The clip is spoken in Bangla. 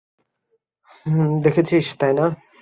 দেখেছিস, তাই না?